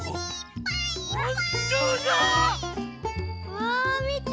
うわみて。